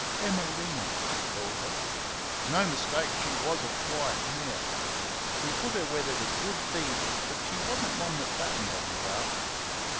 Emelina, he called her. No mistake, she was a quiet mare! We put her where there was good feed, but she was n't one that fattened on grass.